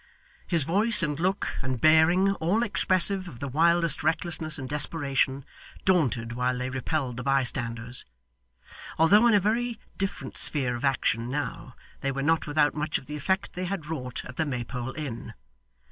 His voice, and look, and bearing all expressive of the wildest recklessness and desperation daunted while they repelled the bystanders. Although in a very different sphere of action now, they were not without much of the effect they had wrought at the Maypole Inn.